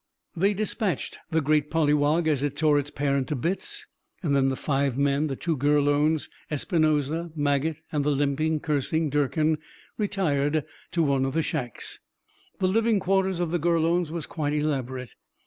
They dispatched the great polywog as it tore its parent to bits, and then the five men, the two Gurlones, Espinoza, Maget, and the limping, cursing Durkin, retired to one of the shacks. The living quarters of the Gurlones was quite elaborate.